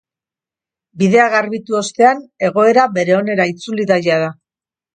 Bidea garbitu ostean, egoera bere onera itzuli da jada.